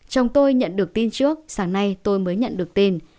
chồng tôi nhận được tin trước sáng nay tôi mới nhận được tin